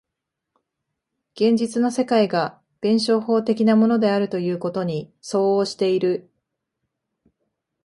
現実の世界が弁証法的なものであるということに相応している。